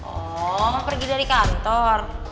oh lama pergi dari kantor